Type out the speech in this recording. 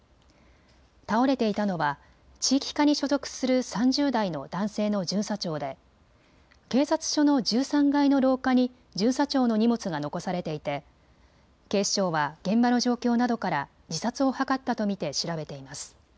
倒れていたのは地域課に所属する３０代の男性の巡査長で警察署の１３階の廊下に巡査長の荷物が残されていて警視庁は現場の状況などから自殺を図ったと見て調べています。